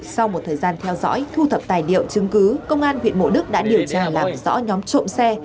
sau một thời gian theo dõi thu thập tài liệu chứng cứ công an huyện mộ đức đã điều tra làm rõ nhóm trộm xe